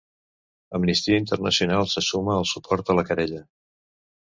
Amnistia Internacional se suma al suport a la querella.